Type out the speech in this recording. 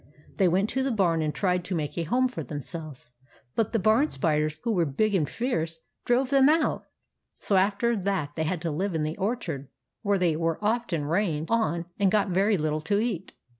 They went to the barn and tried to make a home for themselves there ; but the barn spiders, who were big and fierce, drove them out. So after that they had to live in the orchard, where they were often rained ii4 THE ADVENTURES OF MABEL on, and got very little to eat.